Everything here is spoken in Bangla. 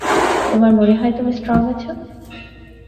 তোমার মনে হয় তুমি স্ট্রং আছো?